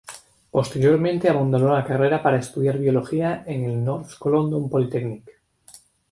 Posteriormente abandonó la carrera para estudiar biología en el North London Polytechnic.